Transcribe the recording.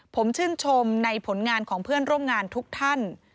ผมชื่นชมในผลงานของเพื่อนร่วมงานทุกท่าน